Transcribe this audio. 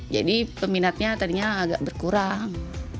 jadi peminatnya tadinya agak berkurang